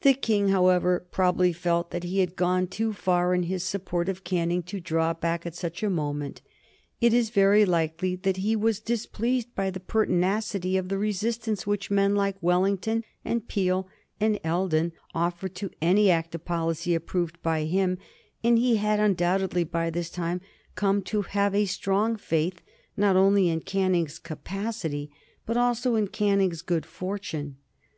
The King, however, probably felt that he had gone too far in his support of Canning to draw back at such a moment. It is very likely that he was displeased by the pertinacity of the resistance which men like Wellington and Peel and Eldon offered to any act of policy approved by him, and he had undoubtedly by this time come to have a strong faith, not only in Canning's capacity, but also in Canning's good fortune.